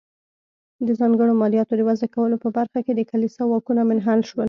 د ځانګړو مالیاتو د وضع کولو په برخه کې د کلیسا واکونه منحل شول.